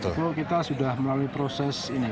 betul kita sudah melalui proses ini